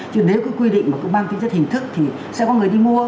chứ nếu cứ quy định mà cứ mang tính chất hình thức thì sẽ có người đi mua